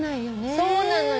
そうなのよ